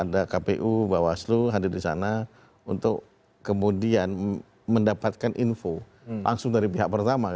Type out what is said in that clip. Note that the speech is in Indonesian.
ada kpu bawaslu hadir di sana untuk kemudian mendapatkan info langsung dari pihak pertama